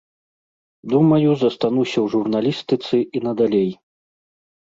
Думаю, застануся ў журналістыцы і надалей.